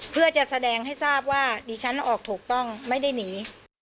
เพื่อจะแสดงให้ทราบว่าดิฉันออกถูกต้องไม่ได้หนี